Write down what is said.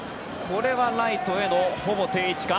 これはライトへのほぼ定位置か。